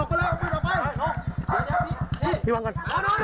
พี่พี่วางกัน